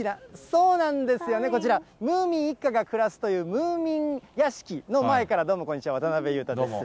そうなんですよ、こちら、ムーミン一家が暮らすというムーミン屋敷の前から、どうもこんにちは、渡辺裕太です。